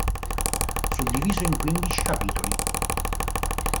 Suddiviso in quindici capitoli.